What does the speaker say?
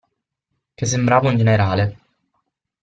Che sembrava un generale.